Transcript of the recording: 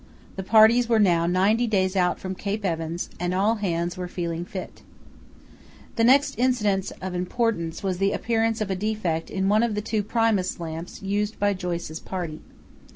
The parties were now ninety days out from Cape Evans, and "all hands were feeling fit." The next incident of importance was the appearance of a defect in one of the two Primus lamps used by Joyce's party.